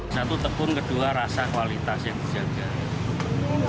satu tekun kedua rasa kualitas yang dijaga